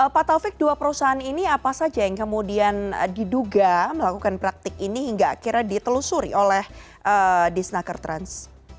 pak taufik dua perusahaan ini apa saja yang kemudian diduga melakukan praktik ini hingga akhirnya ditelusuri oleh disnaker trans